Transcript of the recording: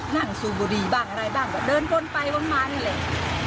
สูบบุรีบ้างอะไรบ้างก็เดินวนไปวนมานี่แหละ